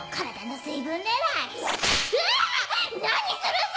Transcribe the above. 何するさ！